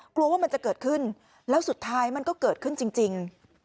กลัวว่ามันจะเกิดขึ้นแล้วสุดท้ายมันก็เกิดขึ้นจริง